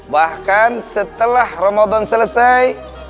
bahkan setelah ramadan selesai